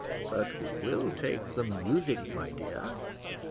"But we will take the music, my dear."